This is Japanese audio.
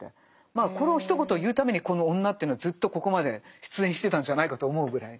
まあこのひと言を言うためにこの女というのはずっとここまで出演してたんじゃないかと思うぐらい。